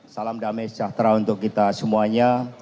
salam damai sejahtera untuk kita semuanya